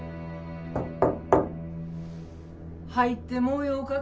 ・入ってもよかか。